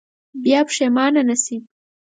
بیا پښېمانه نه شئ.